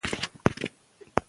ژبه به پیاوړې شي.